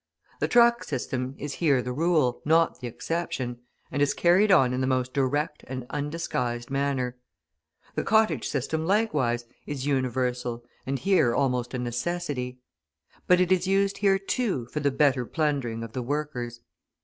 The truck system is here the rule, not the exception, and is carried on in the most direct and undisguised manner. The cottage system, likewise, is universal, and here almost a necessity; but it is used here, too, for the better plundering of the workers.